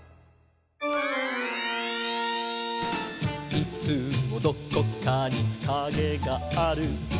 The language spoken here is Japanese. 「いつもどこかにカゲがある」